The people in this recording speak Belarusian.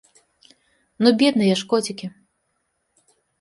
Ну бедныя ж коцікі!